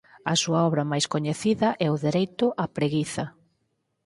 A súa obra máis coñecida é O dereito á preguiza.